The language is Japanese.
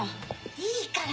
いいから！